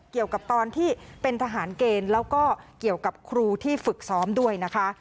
เกี่ยวกับตอนที่เป็นทหารเกณฑ์แล้วก็เกี่ยวกับครูที่ฝึกซ้อมด้วยนะคะ